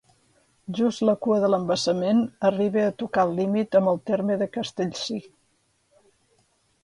Just la cua de l'embassament arriba a tocar el límit amb el terme de Castellcir.